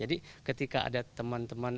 jadi ketika ada teman teman